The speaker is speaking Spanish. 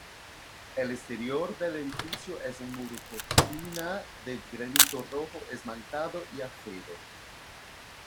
El exterior del edificio es un muro cortina de granito rojo esmaltado y acero.